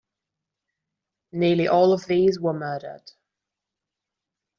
Nearly all of these were murdered.